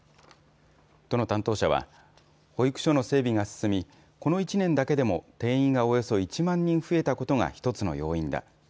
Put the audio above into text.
都の担当者は、保育所の整備が進み、この１年だけでも定員がおよそ１万人増えたことが１つの要因だ。